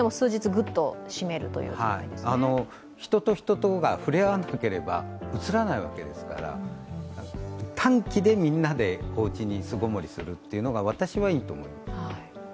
人と人とが触れ合わなければうつらないわけですから短期でみんなでおうちに巣籠もりするというのが私はいいと思います。